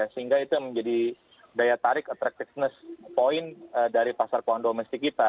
sehingga itu menjadi daya tarik attractiveness point dari pasar kondomestik kita